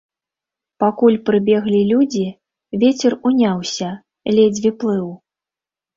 Пакуль прыбеглі людзі, вецер уняўся, ледзьве плыў.